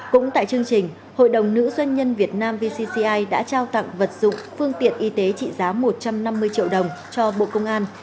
cũng tại chương trình hội đồng nữ doanh nhân việt nam vcci đã trao tặng vật dụng phương tiện y tế trị giá một trăm năm mươi triệu đồng cho bộ công an